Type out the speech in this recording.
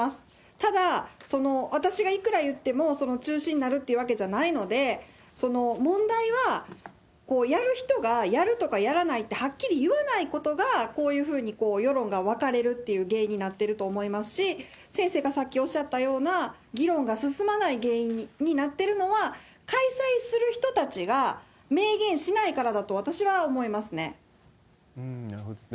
ただ、私がいくら言っても、中止になるっていうわけじゃないので、その問題はやる人がやるとかやらないってはっきり言わないことが、こういうふうに世論が分かれるっていう原因になってると思いますし、先生がさっきおっしゃったような、議論が進まない原因になってるのは、開催する人たちが明言しないからだと、私は思いますね。